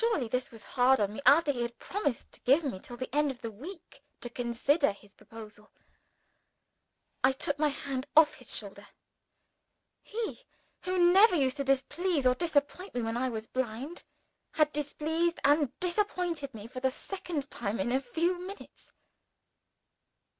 Surely, this was hard on me after he had promised to give me till the end of the week to consider his proposal? I took my hand off his shoulder. He who never used to displease or disappoint me when I was blind had displeased and disappointed me for the second time in a few minutes!